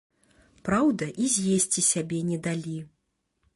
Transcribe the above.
Праўда, і з'есці сябе не далі.